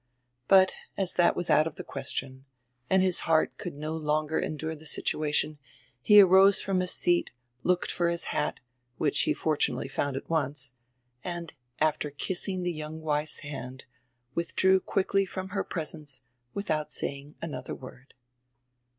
But as diat was out of die question, and his heart could no longer endure die situation, he arose from his seat, looked for his hat, which he fortunately found at once, and, after again kissing die young wife's hand, with drew quickly from her presence widiout saying anotiier word.